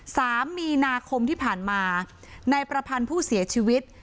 สามมีนาคมที่ผ่านมานายประพันธ์ผู้เสียชีวิต